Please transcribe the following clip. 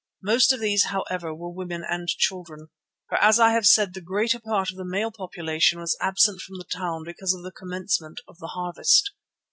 Most of these, however, were women and children, for as I have said the greater part of the male population was absent from the town because of the commencement of the harvest.